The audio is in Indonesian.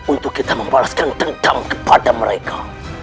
untuk kita membalaskan tentang kepada mereka